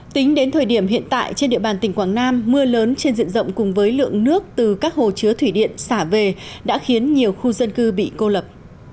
tính đến thời điểm hiện tại trên địa bàn tỉnh quảng nam mưa lớn trên diện rộng cùng với lượng nước từ các hồ chứa thủy điện xả về đã khiến nhiều khu dân cư bị cô lập